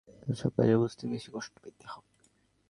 এ-সব কথা বুঝাইতেও বেশি কষ্ট পাইতে হয় না।